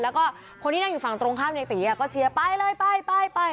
แล้วก็คนที่นั่งอยู่ฝั่งตรงข้ามในตีก็เชียร์ไปเลยไปไป